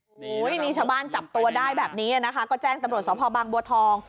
โอ้โหนี่ชาวบ้านจับตัวได้แบบนี้นะคะก็แจ้งตำรวจสภบางบัวทอง